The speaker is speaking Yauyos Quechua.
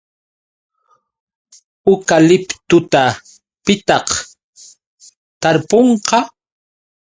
¿Ukaliptuta pitaq tarpunqa?